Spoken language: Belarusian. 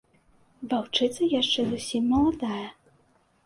Ваўчыца яшчэ зусім маладая.